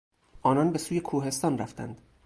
آنان به سوی کوهستان رفتند.